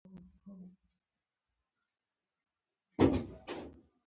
هګۍ خام خوراک صحي نه ده.